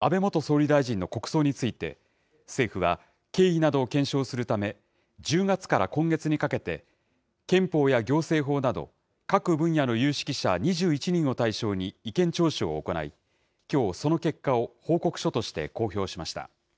ことし９月の安倍元総理大臣の国葬について、政府は、経緯などを検証するため、１０月から今月にかけて、憲法や行政法など、各分野の有識者２１人を対象に意見聴取を行い、きょう、その結果を報告書として公表しました。